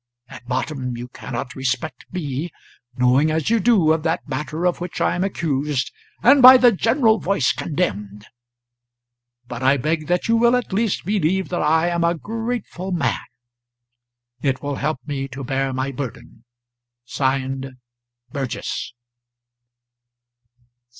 At bottom you cannot respect me, knowing as you do of that matter of which I am accused, and by the general voice condemned; but I beg that you will at least believe that I am a grateful man; it will help me to bear my burden. [Signed] 'BURGESS.'"